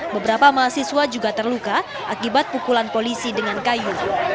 beberapa mahasiswa juga terluka akibat pukulan polisi dengan kayu